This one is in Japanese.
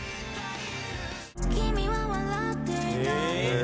「君は笑っていた」